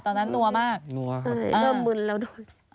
ตอนนั้นนัวมากนัวครับเริ่มมืนแล้วด้วยนัวครับ